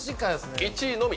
１位のみ！